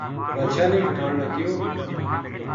بادشاہ نے پٹھان نا کہیو